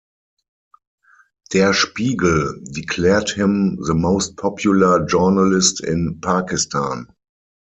"Der Spiegel" declared him the most popular journalist in Pakistan.